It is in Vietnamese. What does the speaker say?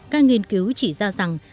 các nghiên cứu chỉ ra rằng